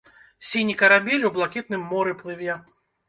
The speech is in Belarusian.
Сіні карабель у блакітным моры плыве.